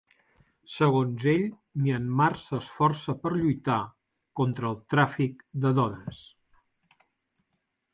Segons ell, Myanmar s'esforça per lluitar contra el tràfic de dones.